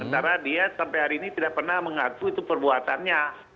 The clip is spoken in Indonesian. karena dia sampai hari ini tidak pernah mengaku itu perbuatannya